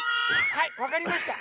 はいわかりました。